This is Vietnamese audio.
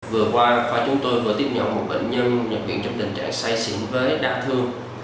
vừa qua khoa chúng tôi vừa tiếp nhận một bệnh nhân nhập viện trong tình trạng say xỉn với đa thương